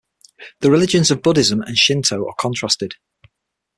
The religions of Buddhism and Shinto are contrasted.